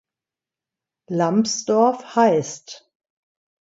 Lambsdorff heißt.